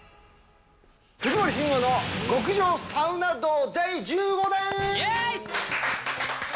藤森慎吾の極上サウナ道第イエーイ。